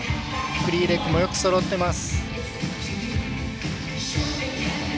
フリーレッグそろっています。